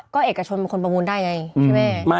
ก็เอกชนเป็นคนประมูลได้ไงใช่ไหม